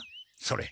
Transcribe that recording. それ。